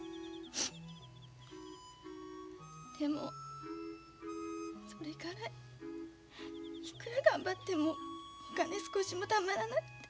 でもそれからいくら頑張ってもお金少しもたまらなくて。